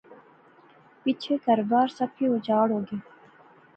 پچھے کہر بار، سب کی اُجاڑ ہو گیا